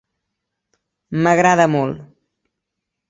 M'agrada molt.